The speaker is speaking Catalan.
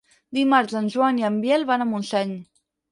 Dimarts en Joan i en Biel van a Montseny.